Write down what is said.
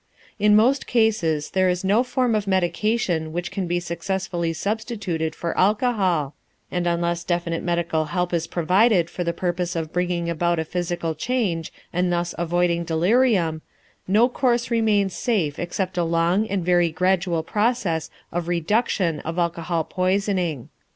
In most cases there is no form of medication which can be successfully substituted for alcohol, and unless definite medical help is provided for the purpose of bringing about a physical change and thus avoiding delirium, no course remains safe except a long and very gradual process of reduction of alcoholic poisoning.